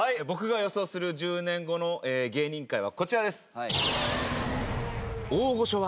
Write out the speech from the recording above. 僕が予想する１０年後の芸人界はこちらです。